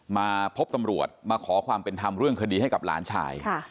มาพบตำรวจมาขอความเป็นธรรมเรื่องคดีให้กับหลานชาย